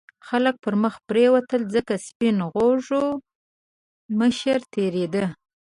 خلک پرمخې پرېوتل ځکه سپین غوږو مشر تېرېده.